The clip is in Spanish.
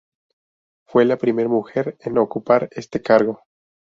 Fue la primera mujer en ocupar este cargo.